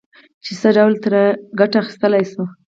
چې څه ډول ترې ګټه اخيستلای شو.